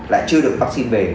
lại chưa được vaccine về